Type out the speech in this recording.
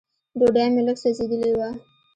ډوډۍ مې لږ سوځېدلې وه.